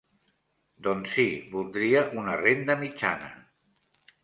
Doncs sí, voldria una renda mitjana.